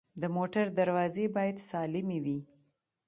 د موټر دروازې باید سالمې وي.